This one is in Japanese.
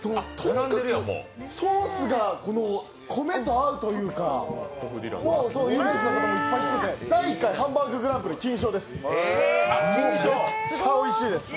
ソースが米と合うというか、有名人の方もいっぱい行っているので、第１回ハンバーググランプリ金賞です。